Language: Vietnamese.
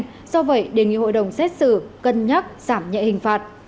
do vậy đề nghị hội đồng xét xử cân nhắc giảm nhẹ hình phạt